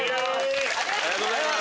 ありがとうございます。